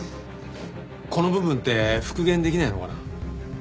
この部分って復元できないのかな？